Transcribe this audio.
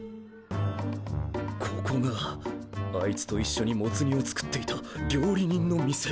ここがあいつといっしょにモツ煮を作っていた料理人の店。